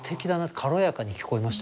軽やかに聴こえました。